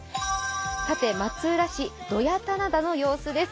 さて、松浦市土谷棚田の様子です。